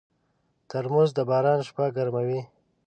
ترموز د باران شپه ګرموي.